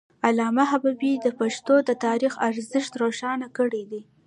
علامه حبيبي د پښتنو د تاریخ ارزښت روښانه کړی دی.